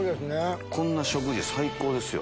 こんな食事最高ですよ。